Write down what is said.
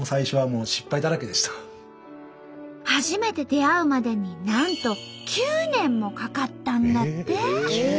初めて出会うまでになんと９年もかかったんだって。